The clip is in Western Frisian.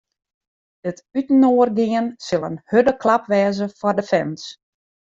It útinoargean sil in hurde klap wêze foar de fans.